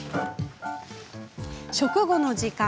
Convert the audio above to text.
食後の時間。